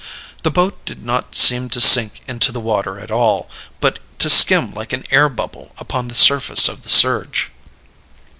The boat did not seem to sink into the water at all, but to skim like an air bubble upon the surface of the surge.